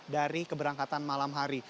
dari keberangkatan malam hari